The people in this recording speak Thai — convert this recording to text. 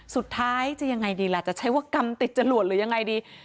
สุดท้ายจะยังไงดีล่ะจะใช้ว่ากรรมติดจรวดหรือยังไงดี